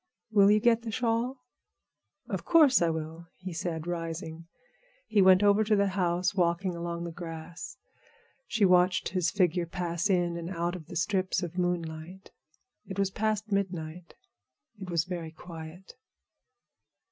Will you get the shawl?" "Of course I will," he said, rising. He went over to the house, walking along the grass. She watched his figure pass in and out of the strips of moonlight. It was past midnight. It was very quiet.